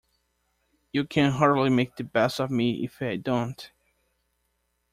You can hardly make the best of me if I don't.